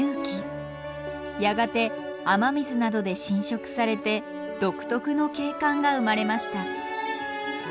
やがて雨水などで浸食されて独特の景観が生まれました。